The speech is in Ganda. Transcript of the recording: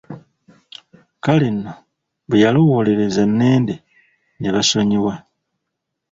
Kale nno bwe yalowoolereza nende ne basonyiwa.